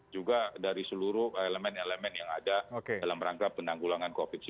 juga dari seluruh elemen elemen yang ada dalam rangka penanggulangan covid sembilan belas